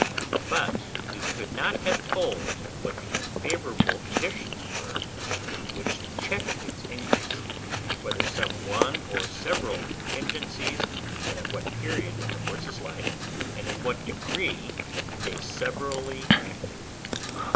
But we could not have told what the unfavourable conditions were which checked its increase, whether some one or several contingencies, and at what period of the horse's life, and in what degree they severally acted.